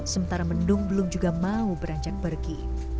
sementara mendung belum juga mau beranjak pergi